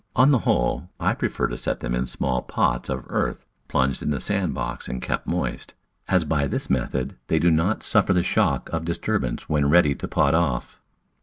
On the whole I prefer to set them in small pots of earth plunged in the sand box and kept moist, as by this method they do not suffer the shock of disturbance when ready to pot off.